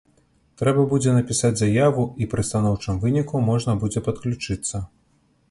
Трэба будзе напісаць заяву, і пры станоўчым выніку можна будзе падключыцца.